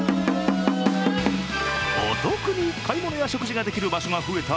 お得に買い物や食事ができる場所が増えた